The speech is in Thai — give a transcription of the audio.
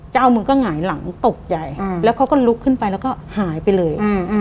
เจ้ามือก็หงายหลังตกใจแล้วเขาก็ลุกขึ้นไปแล้วก็หายไปเลย